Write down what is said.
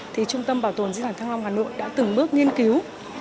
thì trung tâm bảo tồn di sản thăng long hà nội đã từng bước nghiên cứu